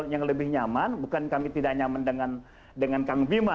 yang lebih nyaman bukan kami tidak nyaman dengan kang bima